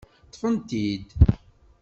Ṭṭfen-t-id.